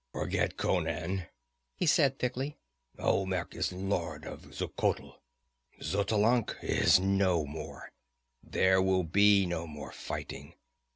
"Forget Conan," he said thickly. "Olmec is lord of Xuchotl. Xotalanc is no more. There will be no more fighting.